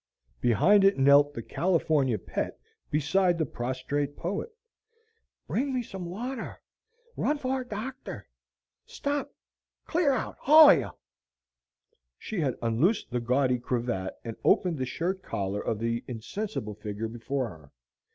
Behind it knelt the "California Pet" beside the prostrate poet. "Bring me some water. Run for a doctor. Stop!! CLEAR OUT, ALL OF YOU!" She had unloosed the gaudy cravat and opened the shirt collar of the insensible figure before her.